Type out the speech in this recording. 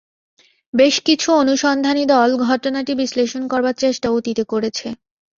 বেশ কিছু অনুসন্ধানী দল ঘটনাটি বিশ্লেষণ করবার চেষ্টা অতীতে করেছে।